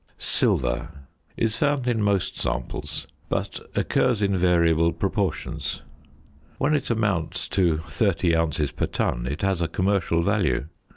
~Silver~ is found in most samples, but occurs in variable proportions; when it amounts to 30 ounces per ton it has a commercial value.